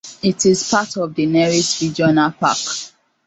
It is part of the Neris Regional Park.